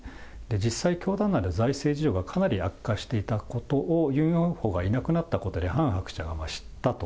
実際、教団内で財政事情がかなり悪化していたことを、ユン・ヨンホがいなくなったことでハン・ハクチャが知ったと。